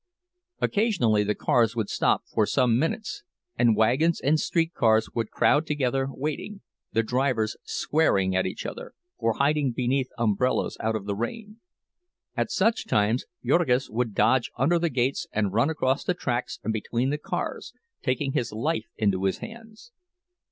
Occasionally the cars would stop for some minutes, and wagons and streetcars would crowd together waiting, the drivers swearing at each other, or hiding beneath umbrellas out of the rain; at such times Jurgis would dodge under the gates and run across the tracks and between the cars, taking his life into his hands.